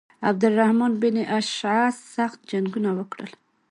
عبدالرحمن بن اشعث سخت جنګونه وکړل.